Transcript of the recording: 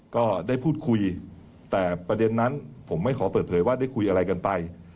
ก็ได้พูดคุยแต่ประเด็นนั้นผมไม่ขอเปิดเผยว่าได้คุยอะไรกันไป